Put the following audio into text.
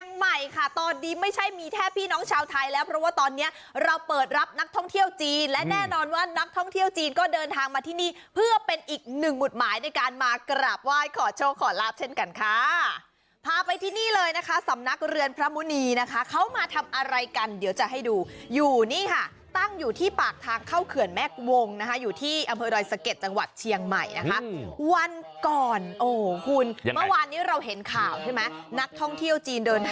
ช่างใหม่ค่ะตอนนี้ไม่ใช่มีแทบพี่น้องชาวไทยแล้วเพราะว่าตอนนี้เราเปิดรับนักท่องเที่ยวจีนและแน่นอนว่านักท่องเที่ยวจีนก็เดินทางมาที่นี่เพื่อเป็นอีกหนึ่งหมุดหมายในการมากราบไหว้ขอโชคขอรับเช่นกันค่ะพาไปที่นี่เลยนะคะสำนักเรือนพระมุนีนะคะเขามาทำอะไรกันเดี๋ยวจะให้ดูอยู่นี่ค่ะตั้งอยู่ที่ปากทางเข้าเขื่อนแม